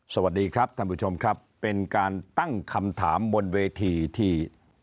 สวัสดีครับท่านผู้ชมครับเป็นการตั้งคำถามบนเวทีที่